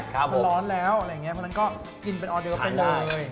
คือร้อนแล้วอย่างนี้แล้วก็กินเป็นออเดอร์ไปเลย